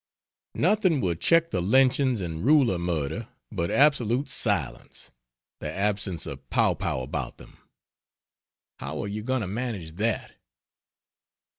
Nothing will check the lynchings and ruler murder but absolute silence the absence of pow pow about them. How are you going to manage that?